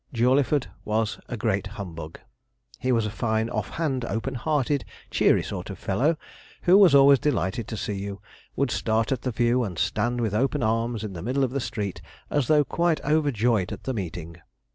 Jawleyford was a great humbug. He was a fine, off hand, open hearted, cheery sort of fellow, who was always delighted to see you, would start at the view, and stand with open arms in the middle of the street, as though quite overjoyed at the meeting.